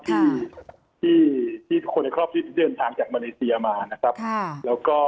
ที่คนในครอบที่ติดเชื้อโควิดมาจากมาเลเซียมานะครับ